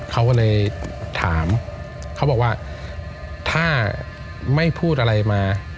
เขาก็เลยถามเขาบอกว่าถ้าไม่พูดอะไรมา